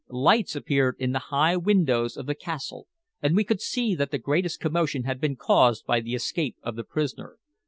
Lights appeared in the high windows of the castle, and we could see that the greatest commotion had been caused by the escape of the prisoner.